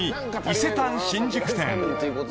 伊勢丹新宿店